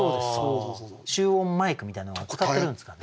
集音マイクみたいなのは使ってるんですかね？